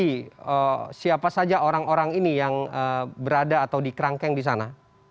bagaimana siapa saja orang orang ini yang berada atau di kerangkeng di sana